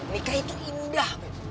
nikah itu indah beb